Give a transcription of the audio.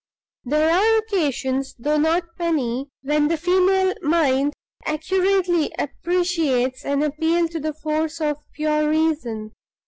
There are occasions, though not many, when the female mind accurately appreciates an appeal to the force of pure reason.